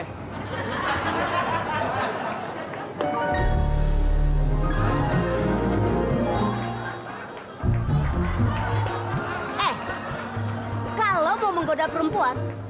eh kalau mau menggoda perempuan